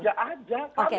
kalau kamu kerja